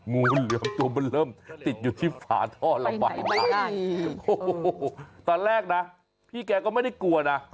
งูเหลือมตัวมันเริ่มติดอยู่ที่ฝาท่อระบายน้ำโอ้โหตอนแรกนะพี่แกก็ไม่ได้กลัวนะ